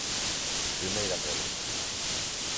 Primeira pregunta.